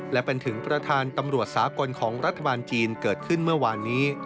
และเป็นถึงประธานตำรวจสากลของรัฐบาลจีนเกิดขึ้นเมื่อวานนี้